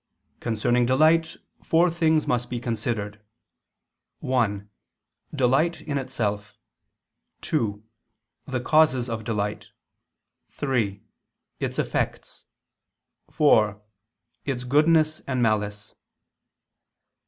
Concerning delight four things must be considered: (1) Delight in itself; (2) The causes of delight; (3) Its effects; (4) Its goodness and malice.